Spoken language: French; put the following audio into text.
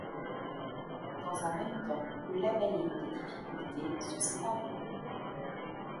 Dans un même temps, le label ayant des difficultés, se sépare du groupe.